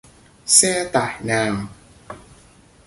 Xe tải nào